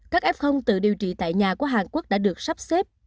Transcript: các f tự điều trị tại nhà của hàn quốc đã được sắp xếp